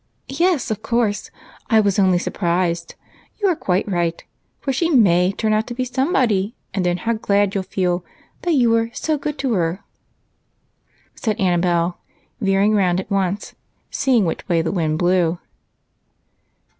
"Yes, of course I was only surprised you are quite right, for she may turn out to be somebody, and then how glad you'll feel that you were so good to her!" said Annabel, veering around at once, seeing which way the wind blew.